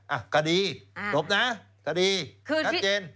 อ่ะคดีจบนะคดีชัดเจน